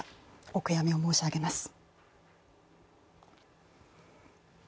お悔やみを申し上げます。